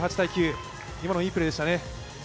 今のいいプレーでしたね。